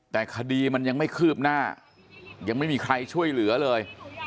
แต่คดีมันยังไม่คืบหน้ายังไม่มีใครช่วยเหลือเลย